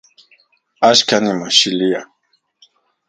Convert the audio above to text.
Axkan nimajxilia